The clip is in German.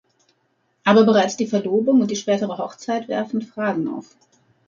Aber bereits die Verlobung und die spätere Hochzeit werfen Fragen auf.